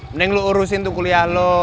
mending lu urusin tuh kuliah lu